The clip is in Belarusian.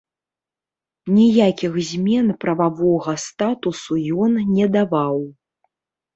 Ніякіх змен прававога статусу ён не даваў.